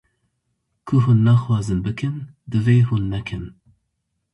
Ku hûn nexwazin bikin, divê hûn nekin.